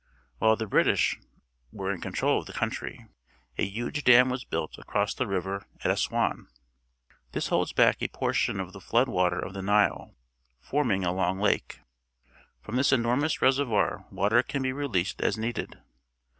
While the British, were in control of the country, a huge dam was built across the river at Assuan . This holds back a por tion of the flood water of the Nile, forming a long^Jake^ From this enormous reservoir w ater can b e rele ased as needed.